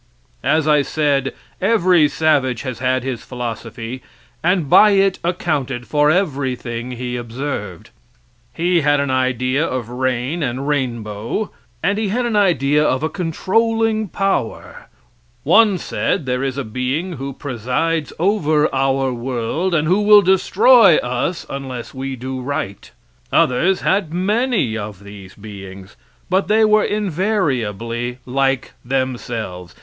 As I said, every savage has had his philosophy, and by it accounted for everything he observed. He had an idea of rain and rainbow, and he had an idea of a controlling power. One said there is a being who presides over our world, and who will destroy us unless we do right. Others had many of these beings, but they were invariably like themselves.